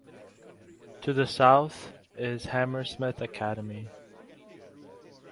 To the south is Hammersmith Academy.